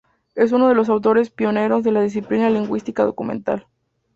Es uno de los autores pioneros de la disciplina Lingüística documental.